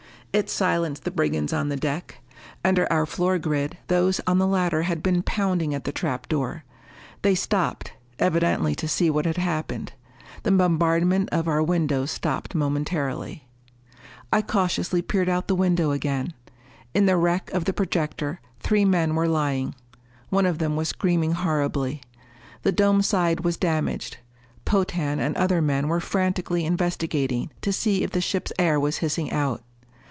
It silenced the brigands on the deck. Under our floor grid, those on the ladder had been pounding at the trap door. They stopped, evidently to see what had happened. The bombardment of our windows stopped momentarily. I cautiously peered out the window again. In the wreck of the projector, three men were lying. One of them was screaming horribly. The dome side was damaged. Potan and other men were frantically investigating to see if the ship's air was hissing out.